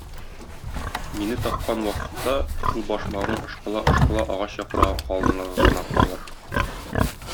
Мине тапкан вакытта, шул башмагың ышкыла-ышкыла агач яфрагы калынлыгы гына калыр.